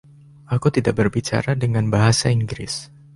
Aku tidak berbicara dengan bahasa Inggris.